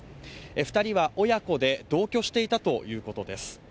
２人は親子で同居していたということです。